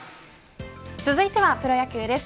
続いてはプロ野球です。